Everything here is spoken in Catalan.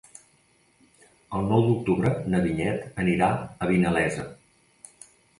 El nou d'octubre na Vinyet anirà a Vinalesa.